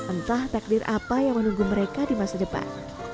entah takdir apa yang menunggu mereka di masa depan